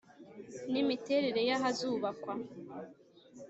n imiterere y ahazubakwa